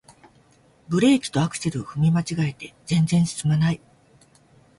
ブレーキとアクセルを踏み間違えて全然すすまない